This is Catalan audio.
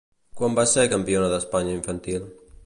Quan va ser campiona d'Espanya infantil?